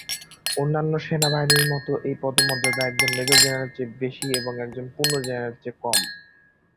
অন্যান্য সেনাবাহিনীর মতো, এই পদমর্যাদা, একজন মেজর জেনারেলের চেয়ে বেশি এবং একজন পূর্ণ জেনারেলের চেয়ে কম।